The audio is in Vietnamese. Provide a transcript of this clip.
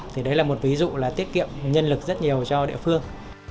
thì đấy là một ví dụ là tiết kiệm nhân lực rất nhiều cho địa phương